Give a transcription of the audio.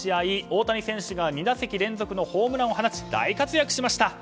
大谷選手が２打席連続のホームランを放ち大活躍しました。